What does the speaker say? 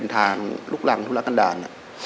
ทางลุกรังทุ่ละกันดาร